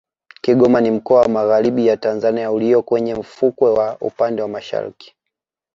Kigoma ni mkoa wa Magharibi ya Tanzania ulio kwenye ufukwe wa upande wa Mashariki